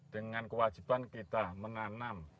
dengan kewajiban kita menanam